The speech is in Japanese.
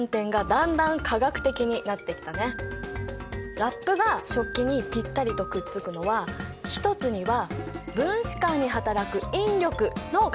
ラップが食器にぴったりとくっつくのは一つには分子間にはたらく引力のおかげなんだ。